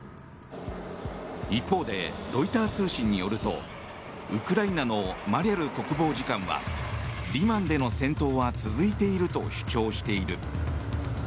一方でロイター通信によるとウクライナのマリャル国防次官はリマンでの戦闘は続いていると主張している。